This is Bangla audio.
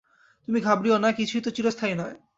তুমি ঘাবড়িও না, কিছুই তো চিরস্থায়ী নয়।